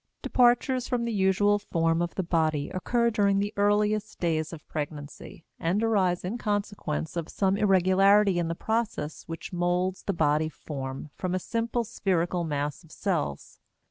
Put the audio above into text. Departures from the usual form of the body occur during the earliest days of pregnancy and arise in consequence of some irregularity in the process which molds the body form from a simple spherical mass of cells.